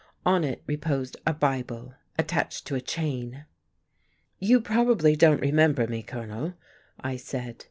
On it reposed a Bible, attached to a chain. "You probably don't remember me, Colonel," I said.